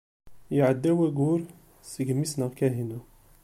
Iɛedda wayyur segmi i ssneɣ Kahina.